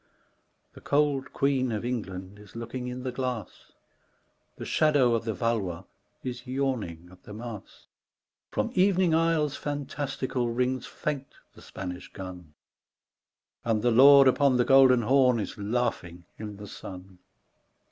The cold queen of England is looking in the glass ; The shadow of the Valois is yawning at the Mass ; Prom evening isles fantastical rings fain the Span ish gun, And the Lord upon the Golden Horn is laughing in the sun.